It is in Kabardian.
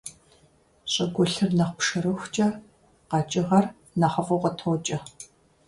ЩӀыгулъыр нэхъ пшэрыхукӀэ къэкӀыгъэр нэхъыфӀу къытокӀэ.